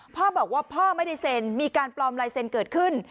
พ่อบอกว่าพ่อไม่ได้เซ็นมีการปลอมลายเซ็นเกิดขึ้น